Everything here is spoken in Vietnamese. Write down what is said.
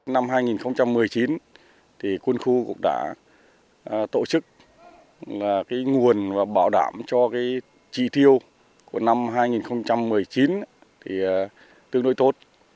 năm hai nghìn một mươi chín quân khu cũng đã tổ chức nguồn và bảo đảm cho trị tiêu của năm hai nghìn một mươi chín tương đối tốt